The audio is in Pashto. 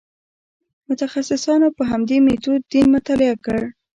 متخصصانو په همدې میتود دین مطالعه کړ.